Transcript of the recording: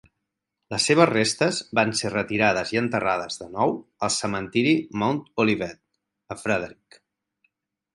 Les seves restes van ser retirades i enterrades de nou al cementiri Mount Olivet, a Frederic.